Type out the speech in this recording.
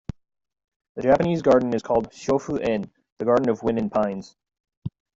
The Japanese Garden is called Shofu-en-the Garden of Wind and Pines.